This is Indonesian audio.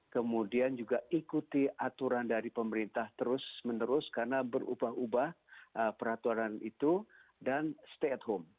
kemudian juga ikuti aturan dari pemerintah terus menerus karena berubah ubah peraturan itu dan stay at home